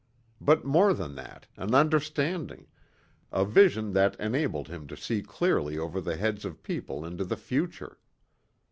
But more than that, an understanding a vision that enabled him to see clearly over the heads of people into the future.